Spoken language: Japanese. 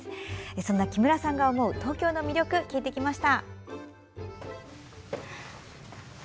そんな木村さんが思う東京の魅力を聞いてきました。